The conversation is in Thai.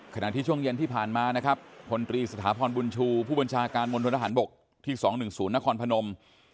ช่วงเย็นที่ผ่านมานะครับพลตรีสถาพรบุญชูผู้บัญชาการมณฑนทหารบกที่๒๑๐นครพนม